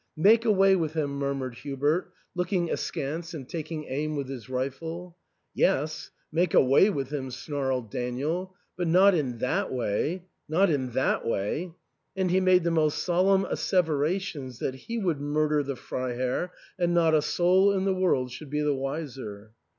" Make away with him !" murmured Hubert, looking askance and taking aim with his rifle. " Yes, make away with him," snarled Daniel, "but not in that way^ not in that way !" And he made the most solemn asseverations that he would murder the Freiherr and not a soul in the world should be the wiser.